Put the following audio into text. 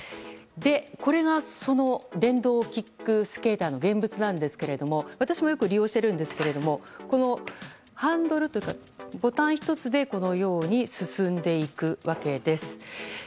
これがその電動キックスケーターの現物なんですが私もよく利用しているんですがこのハンドルというかボタン１つでこのように進んでいくわけです。